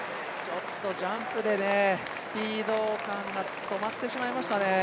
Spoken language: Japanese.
ちょっとジャンプでスピード感が止まってしまいましたね。